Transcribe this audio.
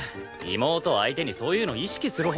妹を相手にそういうの意識するほうが変だろ。